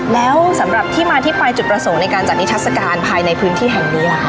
แล้วสำหรับที่มาที่ไปจุดประสงค์ในการจัดนิทัศกาลภายในพื้นที่แห่งนี้ล่ะ